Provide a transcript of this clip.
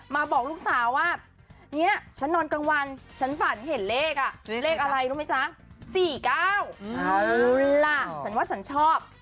บอกลูกสาวว่าเนี่ยฉันนอนกลางวันฉันฝันเห็นเลขอ่ะเลขอะไรรู้ไหมจ๊ะ๔๙เอาล่ะฉันว่าฉันชอบ